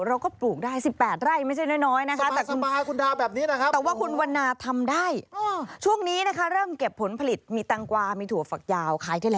ปลูกได้๑๘ไร่ไม่ใช่น้อยนะคะ